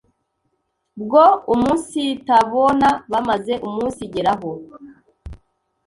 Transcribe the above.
bwo umunsitabona bamaze umunsigeraho